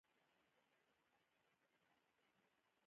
یعقوب بېګ ته وسلې او مهمات لېږي.